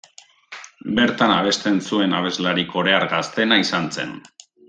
Bertan abesten zuen abeslari korear gazteena izan zen.